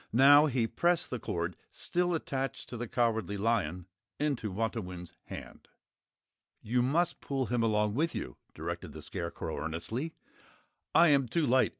Now he pressed the cord, still attached to the Cowardly Lion, into Wantowin's hand. "You must pull him along with you," directed the Scarecrow, earnestly. "I am too light.